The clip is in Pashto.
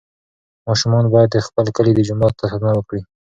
ماشومان باید د خپل کلي د جومات ساتنه وکړي.